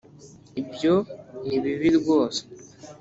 ibyo ni bibi rwose